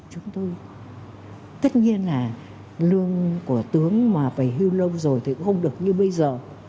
chúng tôi tất nhiên là lương của tướng mà phải hưu lông rồi thì cũng không được như bây giờ